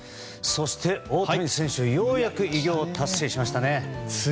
そして、大谷選手がようやく偉業を達成しましたね。